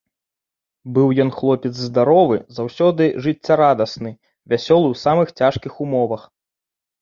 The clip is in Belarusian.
Быў ён хлопец здаровы, заўсёды жыццярадасны, вясёлы ў самых цяжкіх умовах.